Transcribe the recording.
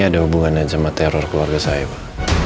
ada hubungan aja sama teror keluarga saya pak